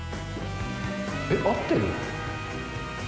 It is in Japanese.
えっ、合ってる？